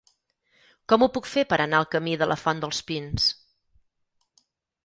Com ho puc fer per anar al camí de la Font dels Pins?